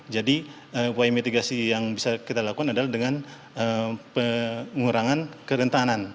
jadi upaya mitigasi yang bisa kita lakukan adalah dengan pengurangan kerentanan